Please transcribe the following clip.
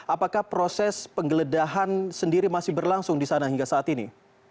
apakah proses penggeledahan sendiri masih berlangsung di sana hingga saat ini